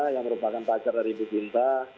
yang merupakan pacar dari ibu cinta